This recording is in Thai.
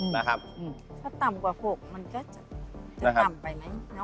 ถ้าต่ำกว่า๖มันก็จะต่ำไปไหม